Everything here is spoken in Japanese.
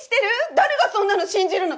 誰がそんなの信じるの！